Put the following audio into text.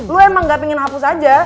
lu emang gak pengen hapus aja